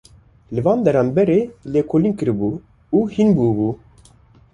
Li van deran berê lêkolîn kiribû û hîn bûbû.